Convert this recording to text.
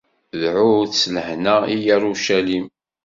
Dɛut s lehna i Yarucalim.